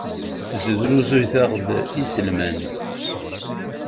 Tesnuzuyeḍ-aɣ-d iselman.